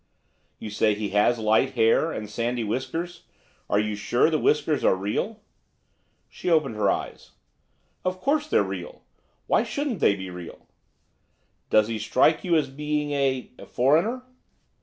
'You say he has light hair, and sandy whiskers. Are you sure the whiskers are real?' She opened her eyes. 'Of course they're real. Why shouldn't they be real?' 'Does he strike you as being a foreigner?